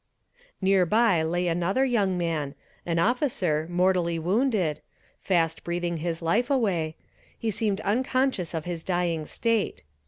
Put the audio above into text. '" Near by lay another young man, an officer, mortally wounded fast breathing his life away he seemed unconscious of his dying state.